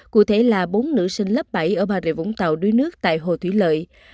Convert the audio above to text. cụ thể là bốn nữ sinh lớp bảy ở bà rịa vũng tàu đuối nước tại hồ thủy lợi